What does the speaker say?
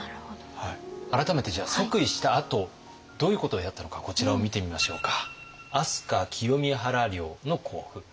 改めてじゃあ即位したあとどういうことをやったのかこちらを見てみましょうか。